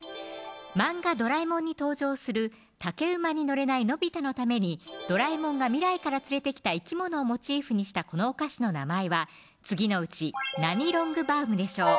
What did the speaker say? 漫画ドラえもんに登場する竹馬に乗れないのび太のためにドラえもんが未来から連れてきた生き物をモチーフにしたこのお菓子の名前は次のうち「何ロングバウム」でしょう